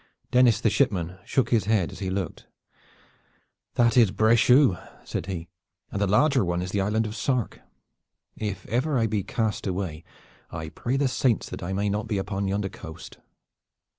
Dennis the shipman shook his head as he looked. "That is Brechou," said he, "and the larger one is the Island of Sark. If ever I be cast away, I pray the saints that I may not be upon yonder coast!"